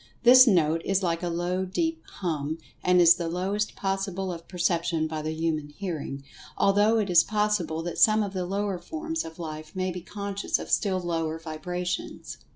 This note is like a low, deep "hum," and is the lowest possible of perception by the human hearing, although it is pos[Pg 130]sible that some of the lower forms of life may be conscious of still lower vibrations.